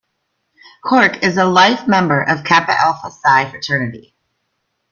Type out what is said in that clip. Corke is a Life Member of Kappa Alpha Psi fraternity.